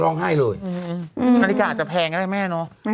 นาฬิกาอาจจะแพงก็ได้แม่เนาะ